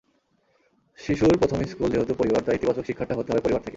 শিশুর প্রথম স্কুল যেহেতু পরিবার তাই ইতিবাচক শিক্ষাটা হতে হবে পরিবার থেকে।